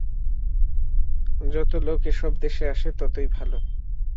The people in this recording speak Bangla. যত লোক এ-সব দেশে আসে, ততই ভাল।